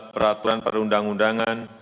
peraturan perhundang undangan